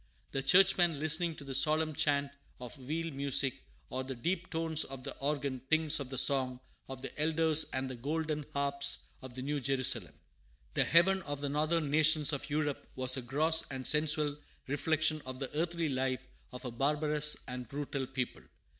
The Churchman, listening to the solemn chant of weal music or the deep tones of the organ, thinks of the song of the elders and the golden harps of the New Jerusalem. The heaven of the northern nations of Europe was a gross and sensual reflection of the earthly life of a barbarous and brutal people.